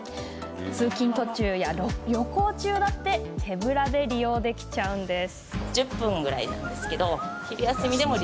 通勤途中や旅行中だって手ぶらで利用できちゃうんです。